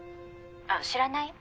あっ知らない？